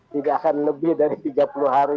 tidak akan lebih dari tiga puluh hari